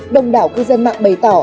đồng đảo cư dân mạng bày tỏ